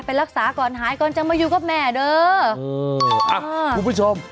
รักษาก่อนหายก่อนจะมาอยู่กับแม่เด้ออ่ะคุณผู้ชม